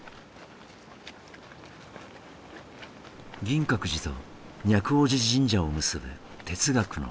銀閣寺と若王子神社を結ぶ哲学の道。